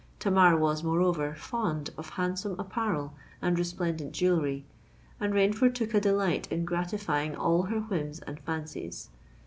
Tamar was, moreover, fond of handsome apparel and resplendent jewellery; and Rainford took a delight in gratifying all her whims and fancies.